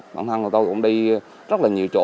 bản thân tôi cũng đi rất là nhiều chỗ